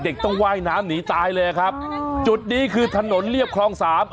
ต้องว่ายน้ำหนีตายเลยครับจุดนี้คือถนนเรียบคลองสาม